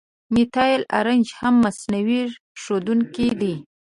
میتایل آرنج هم مصنوعي ښودونکی دی.